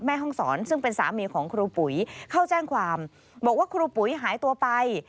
แม่ห้องศรซึ่งเป็นสามีของครูปุ๋ยเข้าแจ้งความบอกว่าครูปุ๋ยหายตัวไป